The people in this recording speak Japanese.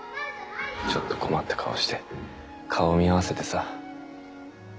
ちょっと困った顔して顔見合わせてさ。